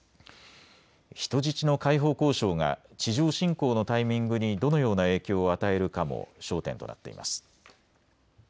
人質の解放交渉が地上侵攻のタイミングにどのような影響を与えるかも焦点となっています。